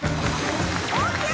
ＯＫ！